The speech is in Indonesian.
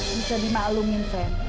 bisa dimaklumin fad